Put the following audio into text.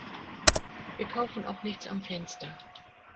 Wir kaufen auch nichts am Fenster!